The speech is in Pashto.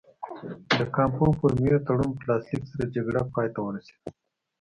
د کامپو فورمیو تړون په لاسلیک سره جګړه پای ته ورسېده.